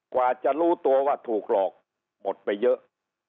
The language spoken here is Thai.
กว่าจะรู้ตัวว่าถูกหลอกหมดไปเยอะ